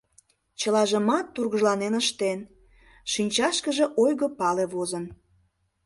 Чылажымат тургыжланен ыштен, шинчашкыже ойго пале возын.